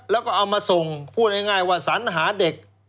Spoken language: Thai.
แล้วก็เอามาส่งพูดง่ายว่าสัญหาเด็ก